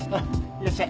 いらっしゃい。